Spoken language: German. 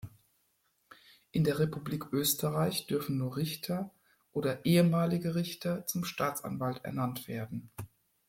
In der Republik Österreich dürfen nur Richter oder ehemalige Richter zum Staatsanwalt ernannt werden.